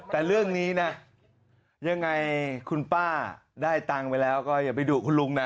แต่เรื่องนี้นะยังไงคุณป้าได้ตังค์ไปแล้วก็อย่าไปดุคุณลุงนะ